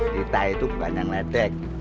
kita itu bukan yang ledek